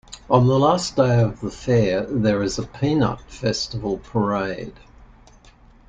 On the last day of the fair, there is a peanut festival parade.